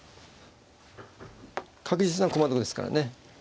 確実な駒得ですからね。